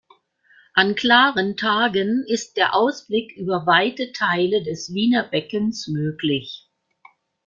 An klaren Tagen ist der Ausblick über weite Teile des Wiener Beckens möglich.